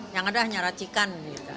yang ada hanya racikan